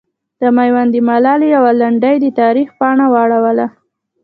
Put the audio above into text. د میوند د ملالې یوه لنډۍ د تاریخ پاڼه واړوله.